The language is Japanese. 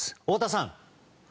太田さん。